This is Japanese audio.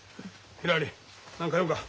ひらり何か用か？